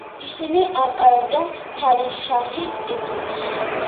ისინი ატარებდნენ „ფადიშაჰის“ ტიტულს.